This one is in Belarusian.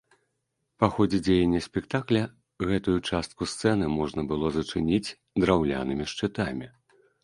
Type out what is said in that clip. Па ходзе дзеяння спектакля гэтую частку сцэны можна было зачыніць драўлянымі шчытамі.